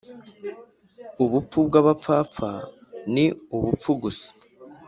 ubupfu bw’abapfapfa ni ubupfu gusa